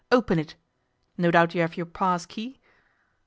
Open it. No doubt you have your pass key.